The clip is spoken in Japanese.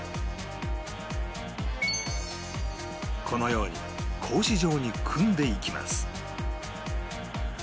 このように格子状に組んでいきます